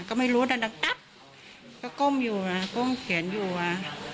ก็ไม่รู้ดันดังตั๊บก็ก้มอยู่นะก้มเขียนอยู่อ่ะ